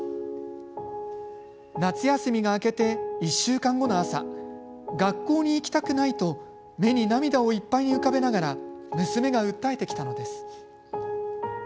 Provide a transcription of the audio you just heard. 夏休みが明けて、１週間後の朝学校に行きたくないと目に涙をいっぱいに浮かべながら娘が訴えてきたのです。